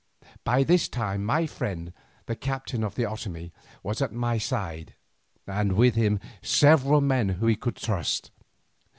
By this time my friend, the captain of the Otomie, was at my side, and with him several men whom he could trust.